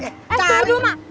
eh tunggu ma